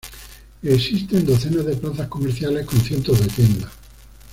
Existen docenas de plazas comerciales con cientos de tiendas.